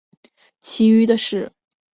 其余的是说波马克语和罗姆语的居民。